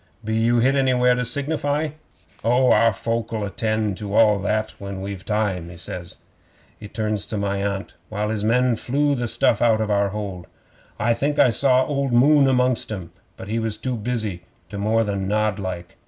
Be you hit anywhere to signify?" '"Oh, our folk'll attend to all that when we've time," he says. He turns to talk to my Aunt, while his men flew the stuff out of our hold. I think I saw old Moon amongst 'em, but he was too busy to more than nod like.